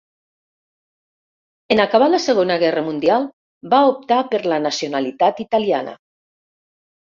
En acabar la segona guerra mundial va optar per la nacionalitat italiana.